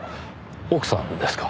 奥さんですか？